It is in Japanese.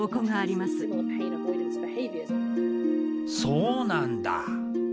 そうなんだ！